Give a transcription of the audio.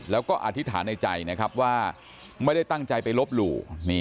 แล้วก็อธิษฐานในใจนะครับว่าไม่ได้ตั้งใจไปลบหลู่